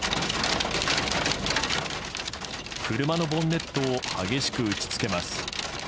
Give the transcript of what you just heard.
車のボンネットを激しく打ち付けます。